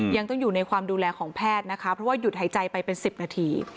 ยังต้องอยู่ในความดูแลของแพทย์นะคะเพราะว่าหยุดหายใจไปเป็น๑๐นาที